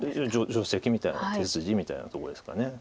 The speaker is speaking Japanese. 定石みたいな手筋みたいなとこですか。